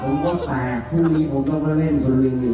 พรุ่งนี้ผมก็มาเล่นสุริงอยู่